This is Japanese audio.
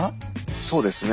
そうですね。